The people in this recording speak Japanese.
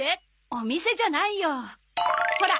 お店じゃないよ。ほら。